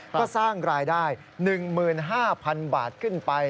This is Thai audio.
ก็สร้างรายได้๑๕๐๐๐บาทขึ้นไป